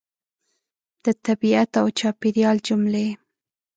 د طبیعت او چاپېریال جملې